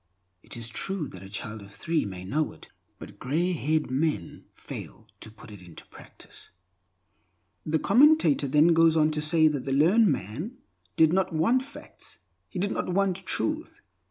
It is true that a child of three may know it, but grey haired old men fail to put it into practice." The commentator then goes on to say that the learned man did not want facts; he did not want Truth.